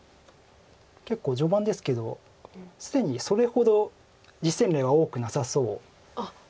結構序盤ですけど既にそれほど実戦例は多くなさそうです。